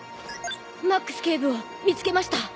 マックス警部を見つけました。